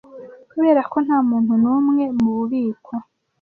kuberako ntamuntu numwe mububiko